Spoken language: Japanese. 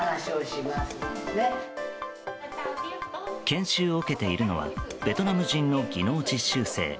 研修を受けているのはベトナム人の技能実習生。